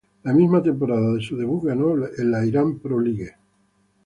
La misma temporada de su debut ganó la Iran Pro League.